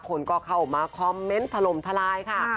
ขนก็อบมาคอมเม้ลต์ถล่มทะลายค่ะ